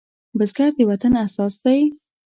بزګر د وطن اساس دی